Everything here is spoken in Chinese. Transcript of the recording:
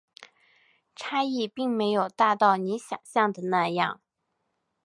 差异并没有大到你想像的那样